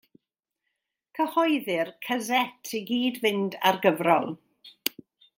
Cyhoeddir casét i gyd-fynd â'r gyfrol.